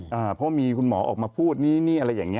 เพราะมีคุณหมอออกมาพูดนี่นี่อะไรอย่างนี้